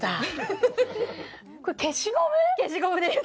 消しゴムです